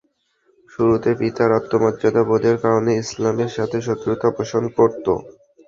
শুরুতে পিতার আত্মমর্যাদা বোধের কারণে ইসলামের সাথে শত্রুতা পোষণ করত।